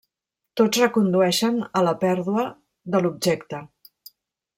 Tots recondueixen a la pèrdua de l'objecte.